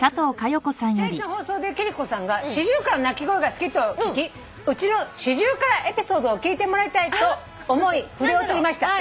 「先日の放送で貴理子さんがシジュウカラの鳴き声が好きと聞きうちのシジュウカラエピソードを聞いてもらいたいと思い筆を執りました」